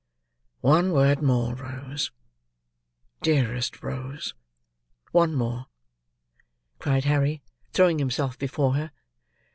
"One word more, Rose. Dearest Rose! one more!" cried Harry, throwing himself before her.